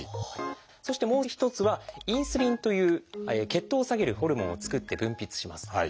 そしてもう一つは「インスリン」という血糖を下げるホルモンを作って分泌します。